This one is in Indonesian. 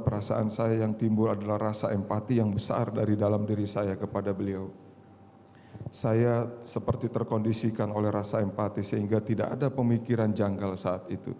pertanyaan yang saya ingin mengatakan adalah